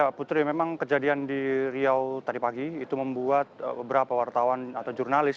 ya putri memang kejadian di riau tadi pagi itu membuat beberapa wartawan atau jurnalis